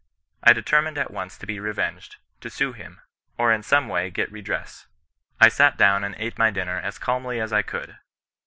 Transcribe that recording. I determined at once to be revenged, to sue him, or in some way get redress. I sat down and ate my dinner as calmly as I could.